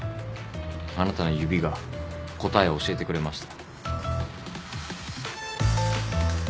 あなたの指が答えを教えてくれました。